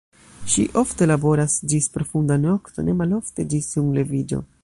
Ŝi ofte laboras ĝis profunda nokto, ne malofte ĝis sunleviĝo.